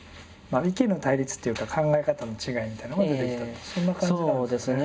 意見の対立というか考え方の違いみたいなのが出てきたってそんな感じなんですかね。